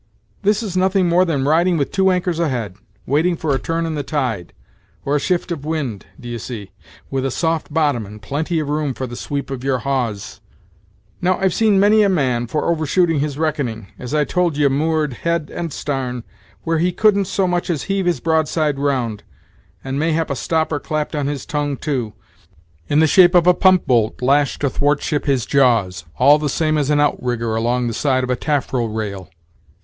This is nothing more than riding with two anchors ahead, waiting for a turn in the tide, or a shift of wind, d'ye see, with a soft bottom and plenty of room for the sweep of your hawse. Now I've seen many a man, for over shooting his reckoning, as I told ye moored head and starn, where he couldn't so much as heave his broadside round, and mayhap a stopper clapped on his tongue too, in the shape of a pump bolt lashed athwartship his jaws, all the same as an outrigger along side of a taffrel rail."